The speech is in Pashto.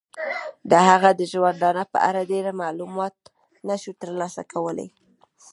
د هغه د ژوندانه په اړه ډیر معلومات نشو تر لاسه کولای.